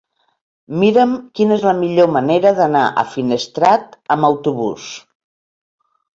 Mira'm quina és la millor manera d'anar a Finestrat amb autobús.